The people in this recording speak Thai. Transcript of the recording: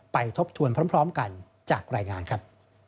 ทบทวนพร้อมกันจากรายงานครับ